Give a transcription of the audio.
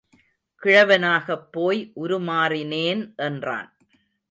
கிழவனாகப் போய் உருமாறினேன் என்றான்.